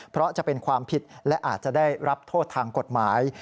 เพราะจะเป็นความผิดและอาจจะได้รับโทษทางกฎหมาย